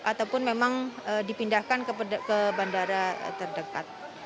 ataupun memang dipindahkan ke bandara terdekat